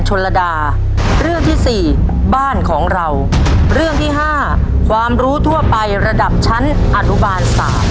คำถามทั้งหมด๕เรื่องมีดังนี้